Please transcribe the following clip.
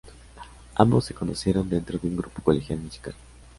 Ambos se conocieron dentro de un grupo colegial musical.